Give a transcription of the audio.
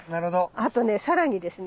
あとね更にですね